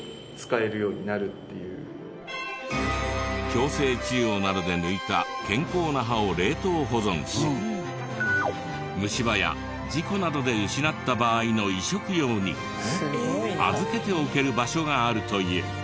矯正治療などで抜いた健康な歯を冷凍保存し虫歯や事故などで失った場合の移植用に預けておける場所があるという。